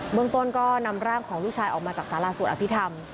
เมืองต้นก็นำร่างของลูกชายออกมาจากสาราสวดอภิษฐรรม